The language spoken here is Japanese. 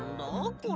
これ。